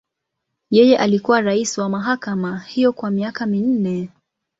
Yeye alikuwa rais wa mahakama hiyo kwa miaka minne.